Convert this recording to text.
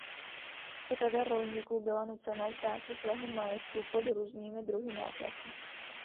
Řada rolníků byla nucena vzdát se svého majetku pod různými druhy nátlaku.